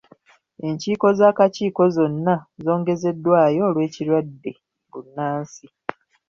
Enkiiko z'akakiiko zonna zongezeddwayo olw'ekirwadde bbunansi.